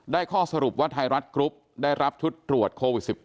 ข้อสรุปว่าไทยรัฐกรุ๊ปได้รับชุดตรวจโควิด๑๙